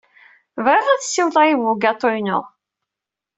Bɣiɣ ad siwleɣ i ubugaṭu-inu.